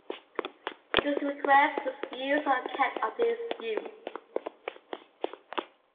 His request was refused on account of his youth.